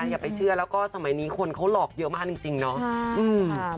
สำเร็จนี้คนเขาหลอกเยอะมากจริงเนอะ